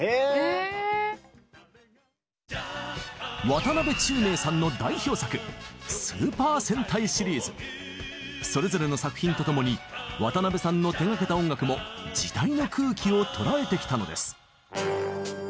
渡辺宙明さんの代表作それぞれの作品と共に渡辺さんの手がけた音楽も時代の空気を捉えてきたのです。